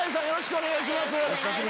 お願いします。